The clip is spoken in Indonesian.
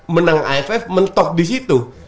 menang aff mentok disitu